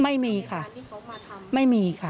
ไม่มีค่ะไม่มีค่ะ